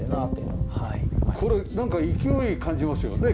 これなんか勢い感じますよね